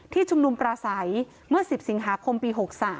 ที่ชุมนุมปลาใสเมื่อ๑๐สิงหาคมปี๖๓